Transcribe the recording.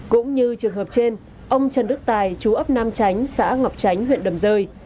cũng như trường hợp trên ông trần đức tài chú ấp nam chánh xã ngọc tránh huyện đầm rơi